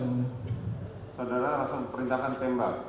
saudara langsung perintahkan tembak